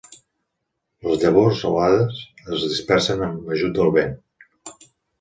Les llavors, alades, es dispersen amb ajut del vent.